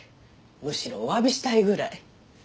むしろお詫びしたいぐらい。